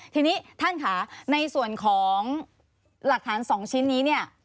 ทีนี้ท่านค่ะในส่วนของหลักฐาน๒ชิ้นนี้เนี่ย